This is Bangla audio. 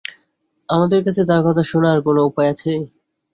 আমাদের কাছে তার কথা শোনা আর কোন উপায় আছে?